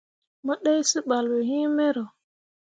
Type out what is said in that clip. Mo ɗai seɓal ɓe iŋ mero.